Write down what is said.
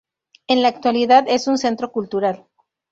En la actualidad es un centro cultural.